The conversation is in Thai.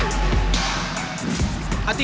และภาษากรสกลวาลี